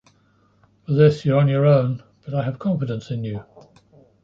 For this you’re on your own, but I have confidence in you.